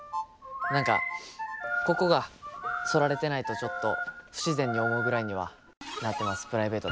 何かここが剃られてないとちょっと不自然に思うぐらいにはなってます。